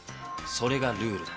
それがルールだ。